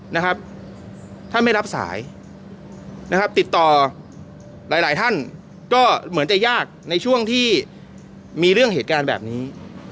นะครับท่านไม่รับสายนะครับติดต่อหลายหลายท่านก็เหมือนจะยากในช่วงที่มีเรื่องเหตุการณ์แบบนี้